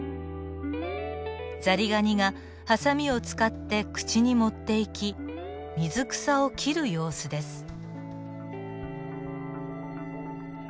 ザリガニがハサミを使って口に持っていき水草を切る様子です。